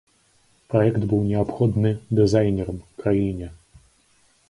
Праект быў неабходны дызайнерам, краіне.